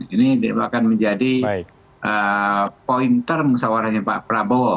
ini akan menjadi pointer musyawarahnya pak prabowo